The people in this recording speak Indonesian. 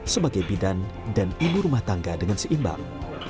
sebagai bidan dan ibu rumah tangga dengan seimbang